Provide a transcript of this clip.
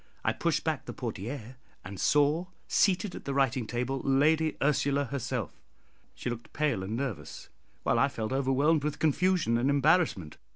I pushed back the portière, and saw seated at the writing table Lady Ursula herself. She looked pale and nervous, while I felt overwhelmed with confusion and embarrassment.